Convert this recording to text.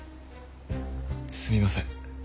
すみません。